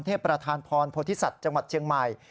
เทพประธานภรพฤษฎิสัจจังหวัดเชียงใหม่